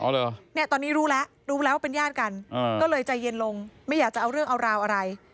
เหรอเนี่ยตอนนี้รู้แล้วรู้แล้วว่าเป็นญาติกันก็เลยใจเย็นลงไม่อยากจะเอาเรื่องเอาราวอะไร